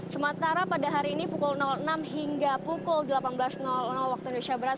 sementara pada hari ini pukul enam hingga pukul dua puluh satu waktu indonesia barat